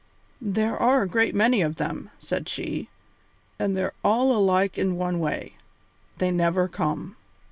"There are a great many of them," said she, "and they're all alike in one way they never come.